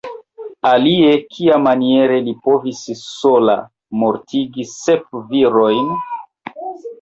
Alie, kiamaniere li povis sola mortigi sep virojn?